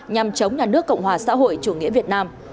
nhằm chống nhà nước cộng hòa xã hội chủ nghĩa việt nam